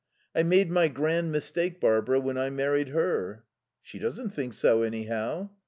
I made my grand mistake, Barbara, when I married her." "She doesn't think so, anyhow."